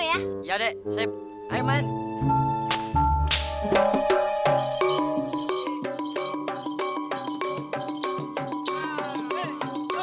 udah aku final dan gimana